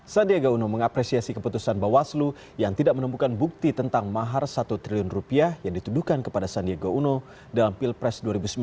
sandiaga uno mengapresiasi keputusan bawaslu yang tidak menemukan bukti tentang mahar satu triliun rupiah yang dituduhkan kepada sandiaga uno dalam pilpres dua ribu sembilan belas